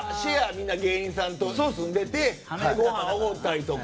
みんな芸人さんと住んでてごはんおごったりとか。